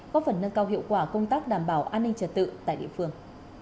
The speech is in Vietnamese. có phần nâng cao hiệu quả công tác đảm bảo an ninh trật tự tại địa phương